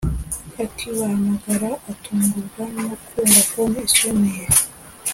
akibahamagara atungurwa nokumva phone isoneye